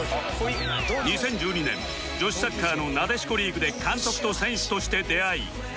２０１２年女子サッカーのなでしこリーグで監督と選手として出会い